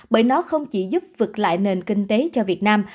bởi nó không chỉ giúp vực lại nền kinh tế cho việt nam